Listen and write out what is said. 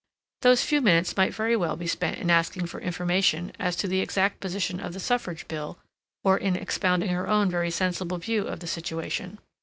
Those few minutes might very well be spent in asking for information as to the exact position of the Suffrage Bill, or in expounding her own very sensible view of the situation.